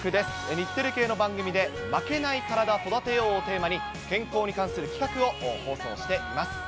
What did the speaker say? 日テレ系の番組で負けないカラダ、育てようをテーマに、健康に関する企画を放送しております。